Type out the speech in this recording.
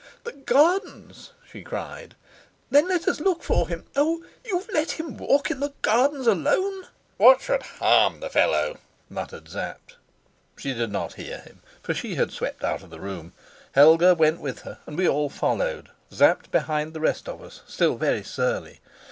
"The gardens!" she cried. "Then let us look for him. Oh, you've let him walk in the gardens alone?" "What should harm the fellow?" muttered Sapt. She did not hear him, for she had swept out of the room. Helga went with her, and we all followed, Sapt behind the rest of us, still very surly.